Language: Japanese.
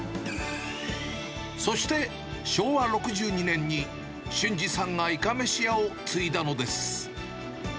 そして昭和６２年に、俊治さんがいかめし屋を継いだのです。